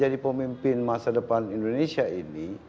jadi pemimpin masa depan indonesia ini